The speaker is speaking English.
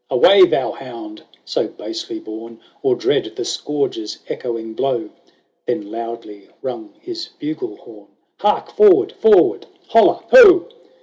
XIX " Away, thou hound ! so basely born, Or dread the scourge's echoing blow !" Then loudly rung his bugle horn, " Hark forward, forward, holla, ho